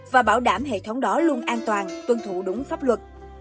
và bảo đảm hệ thống đó luôn an toàn tuân thủ đúng pháp luật